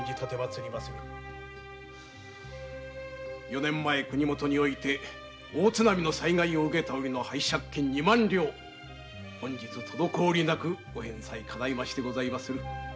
四年前国もとにて大津波の災害をうけた折の拝借金二万両本日滞りなく返済がかないましてございまする。